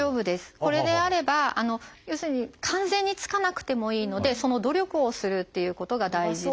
これであれば要するに完全につかなくてもいいのでその努力をするっていうことが大事で。